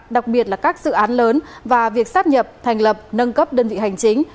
đặc biệt là các dự án lớn và việc sắp nhập thành lập nâng cấp đơn vị hành chính